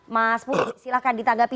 mas pu silahkan ditanggapi